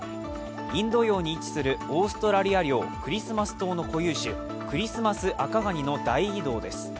インド洋に位置するオーストラリア領クリスマス島の固有種、クリスマスアカガニの大移動です。